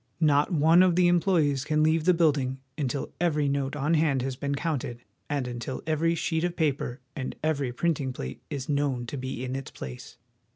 Not one of the employees can leave the building until every note on hand has been counted and until every sheet of paper and every printing plate is known to be in its place.